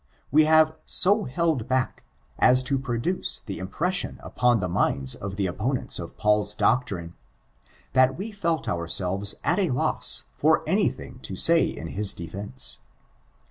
We have so held back, as to produce the impression upon the minds of the opponents of Paul's doctrine, that we felt ourselves at a loss for anything to say in his defence.